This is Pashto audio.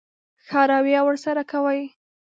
ښه رويه ورسره کوئ.